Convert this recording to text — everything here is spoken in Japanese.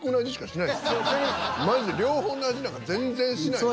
マジで両方の味なんか全然しないです。